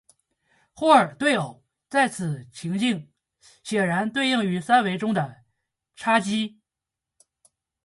霍奇对偶在此情形显然对应于三维中的叉积。